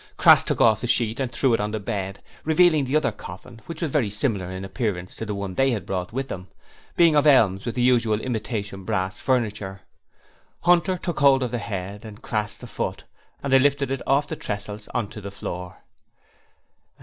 Crass took off the sheet and threw it on the bed, revealing the other coffin, which was very similar in appearance to the one they had brought with them, being of elms, with the usual imitation brass furniture. Hunter took hold of the head and Crass the foot and they lifted it off the tressels on to the floor.